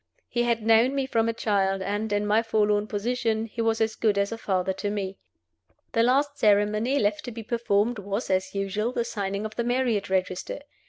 He had known me from a child, and, in my forlorn position, he was as good as a father to me. The last ceremony left to be performed was, as usual, the signing of the marriage register.